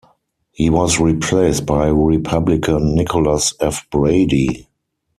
He was replaced by Republican Nicholas F. Brady.